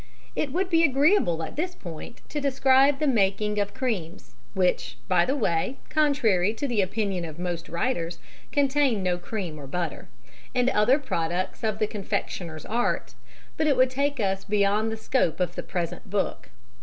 ] It would be agreeable at this point to describe the making of cremes (which, by the way, contrary to the opinion of most writers, contain no cream or butter), and other products of the confectioner's art, but it would take us beyond the scope of the present book.